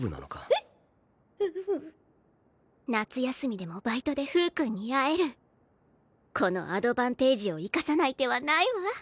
えっ？うう夏休みでもバイトでフー君に会えるこのアドバンテージを生かさない手はないわ